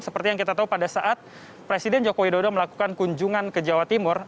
seperti yang kita tahu pada saat presiden joko widodo melakukan kunjungan ke jawa timur